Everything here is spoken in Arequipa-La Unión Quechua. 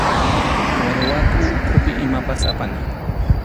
Wallwakʼu ukhupi imapas apana.